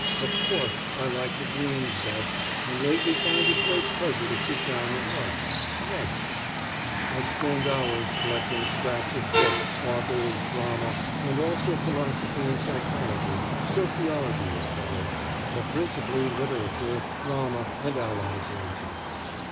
Of course, I like the dreams best and lately find it great pleasure to sit down and write, write. I spend hours collecting scraps of books, authors, drama, and also philosophy and psychology, sociology, etc., but principally literature, drama and allied branches.